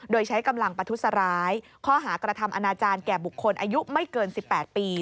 โดยใช้กำลังประทุษร้ายข้อหากระทำอนาจารย์แก่บุคคลอายุไม่เกิน๑๘ปี